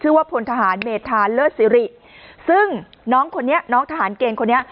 พลทหารเมธาเลิศสิริซึ่งน้องคนนี้น้องทหารเกณฑ์คนนี้